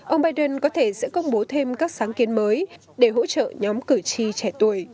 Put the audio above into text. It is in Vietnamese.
ông biden có thể sẽ công bố thêm các sáng kiến mới để hỗ trợ nhóm cử tri trẻ tuổi